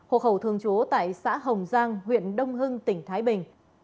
hộ khẩu thường trú tại xã hồng giang huyện đông hưng tỉnh thái bình